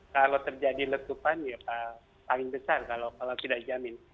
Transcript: kalau terjadi letupan ya paling besar kalau tidak dijamin